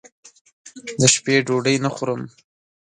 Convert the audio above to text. دشپې ډوډۍ نه خورم